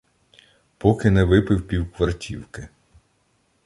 Поки не випив півквартівки